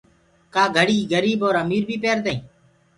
ڪآ گھڙي گريب اور امير بي پيردآئين